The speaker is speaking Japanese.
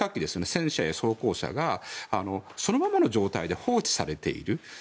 戦車や装甲車がそのままの状態で放置されている。